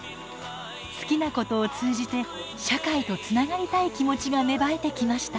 好きなことを通じて社会とつながりたい気持ちが芽生えてきました。